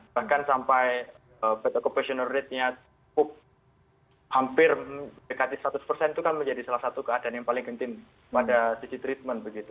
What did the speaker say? bahkan sampai petokopasional ratenya hampir dekati seratus persen itu kan menjadi salah satu keadaan yang paling penting pada cici treatment begitu